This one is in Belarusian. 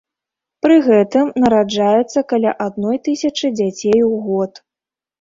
Пры гэтым нараджаецца каля адной тысячы дзяцей у год.